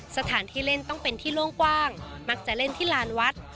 สถานที่เล่นต้องเป็นที่โล่งกว้างมักจะเล่นที่ลานวัด